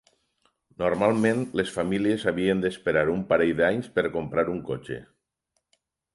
Normalment les famílies havien d'esperar un parell d'anys per comprar un cotxe.